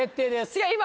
違う今。